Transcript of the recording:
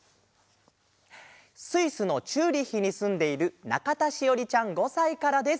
スイスのチューリッヒにすんでいるなかたしおりちゃん５さいからです。